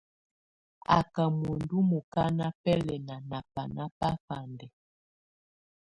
Á ká muǝndù mukana bɛlɛna nà bana bafandɛ.